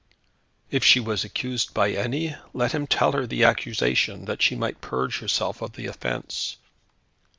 If she was accused by any, let him tell her the accusation, that she might purge herself of the offence.